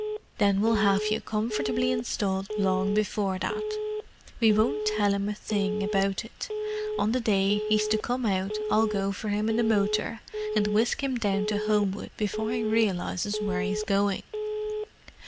"Then we'll have you comfortably installed long before that. We won't tell him a thing about it: on the day he's to come out I'll go for him in the motor and whisk him down to Homewood before he realizes where he's going.